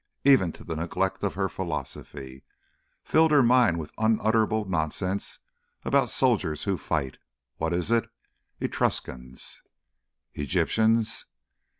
Even to the neglect of her philosophy. Filled her mind with unutterable nonsense about soldiers who fight what is it? Etruscans?" "Egyptians."